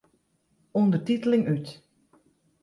Undertiteling út.